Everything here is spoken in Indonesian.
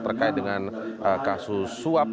terkait dengan kasus suap